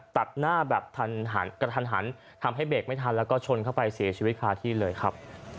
ตัดหน้าแบบกระทันหันทำให้เบรกไม่ทันแล้วก็ชนเข้าไปเสียชีวิตคาที่เลยครับ